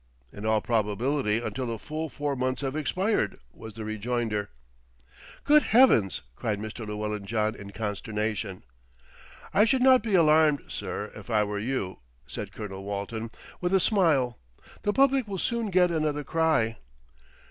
"In all probability until the full four months have expired," was the rejoinder. "Good heavens!" cried Mr. Llewellyn John in consternation. "I should not be alarmed, sir, if I were you," said Colonel Walton with a smile. "The public will soon get another cry.